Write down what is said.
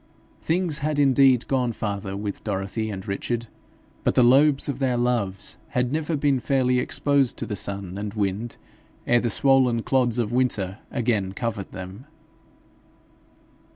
Things had indeed gone farther with Dorothy and Richard, but the lobes of their loves had never been fairly exposed to the sun and wind ere the swollen clods of winter again covered them.